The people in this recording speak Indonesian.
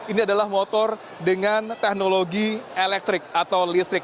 ini adalah motor dengan teknologi elektrik atau listrik